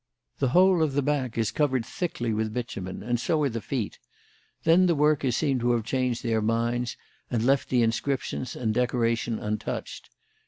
The whole of the back is covered thickly with bitumen, and so are the feet. Then the workers seem to have changed their minds and left the inscriptions and decoration untouched.